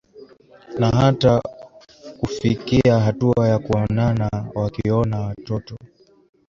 na hata kufikiahatua ya kuoana wakioana watoto